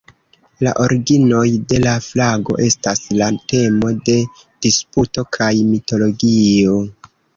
La originoj de la flago estas la temo de disputo kaj mitologio.